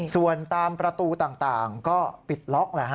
ส่วนตามประตูต่างก็ปิดล็อก